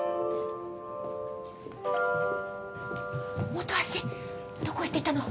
本橋どこ行ってたの？